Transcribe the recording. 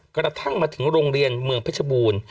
กระทั่งมาถึงโรงเรียนเมืองเพชรบูรณ์